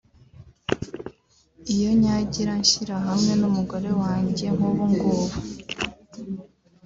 iyo nyagira nshyira hamwe n’umugore wanjye nk’ubungubu